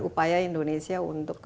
upaya indonesia untuk